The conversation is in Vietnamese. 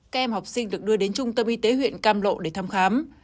các em học sinh được đưa đến trung tâm y tế huyện cam lộ để thăm khám